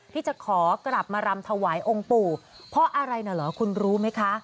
ที่จะขอกลับมารำถวายองค์ปู่เพราะอะไรน่ะเหรอคุณรู้ไหมคะ